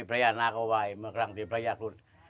พระยานาคเอาไว้เมื่อครั้งที่พระยาคุณ